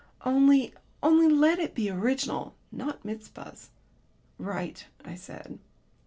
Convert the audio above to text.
Only only let it be original. Not Mizpahs." "Right," I said.